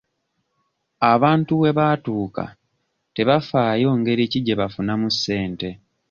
Abantu we baatuuka tebafaayo ngeri ki gye bafunamu ssente.